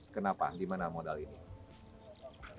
kenapa dimana modal ini